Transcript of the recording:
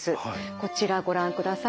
こちらご覧ください。